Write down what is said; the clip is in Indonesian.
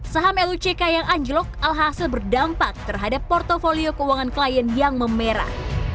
saham luck yang anjlok alhasil berdampak terhadap portfolio keuangan klien yang memerah